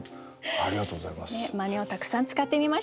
ありがとうございます。